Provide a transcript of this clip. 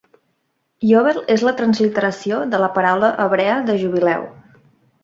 Yovel és la transliteració de la paraula hebrea de Jubileu.